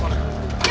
ya nanti beb beb